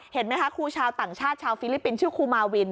เห็นไหมคะครูชาวต่างชาติชาวฟิลิปปินส์ชื่อครูมาวิน